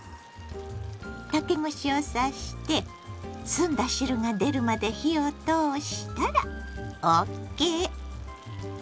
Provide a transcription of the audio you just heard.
竹串を刺して澄んだ汁が出るまで火を通したらＯＫ。